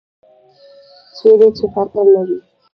چیرې چې فقر نه وي.